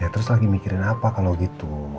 ya terus lagi mikirin apa kalo gitu